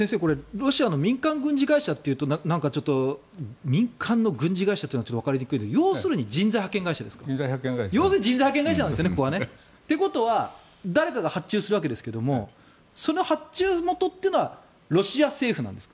ロシアの民間軍事会社というとちょっと民間の軍事会社わかりにくいんですが要するに人材派遣会社なんですよね？ということは誰かが発注するわけですがその発注元というのはロシア政府なんですか？